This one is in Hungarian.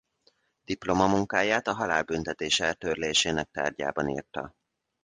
Diplomamunkáját a halálbüntetés eltörlésének tárgyában írta.